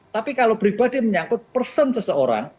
tapi kalau pribadi menyangkut person seseorang